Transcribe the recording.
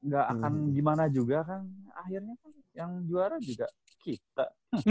gak akan gimana juga kan akhirnya kan yang juara juga kita